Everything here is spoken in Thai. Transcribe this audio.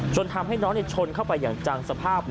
ทำให้น้องชนเข้าไปอย่างจังสภาพ